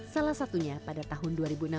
salah satunya pada tahun dua ribu enam belas